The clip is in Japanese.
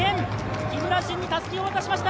木村慎にたすきを渡しました。